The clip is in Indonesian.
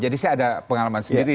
jadi saya ada pengalaman sendiri